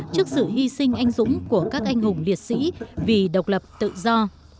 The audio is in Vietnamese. trước sự hy sinh anh dũng của các anh hùng liệt sĩ vì độc lập tự do